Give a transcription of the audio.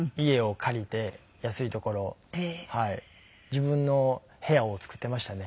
自分の部屋を作っていましたね。